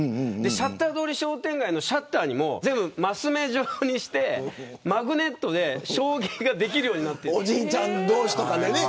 シャッター通り商店街のシャッターもマス目状にして、マグネットで将棋ができるようになっている。